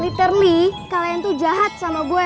literly kalian tuh jahat sama gue